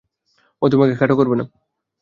ও তোমাকে খাটো করবে না।